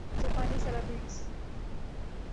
جاپانی سیلابریز